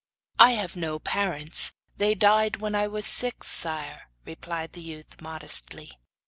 'I have no parents; they died when I was six, sire,' replied the youth, modestly.